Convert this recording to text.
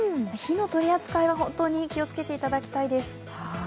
火の取り扱いは本当に気をつけていただきたいです。